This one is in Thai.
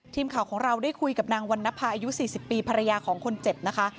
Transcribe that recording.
ทีมข่าวของเราได้คุยกับนางวันนภาอายุ๔๐ปีภรรยาของคนเจ็บนะคะ